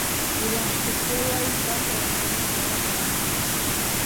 ویلیام شکسپیر وایي پلار ته ورکول له ژړا سره مل وي.